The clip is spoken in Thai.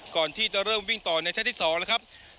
ก่อนที่จะเริ่มวิ่งต่อในเซ็ตที่๒นะครับ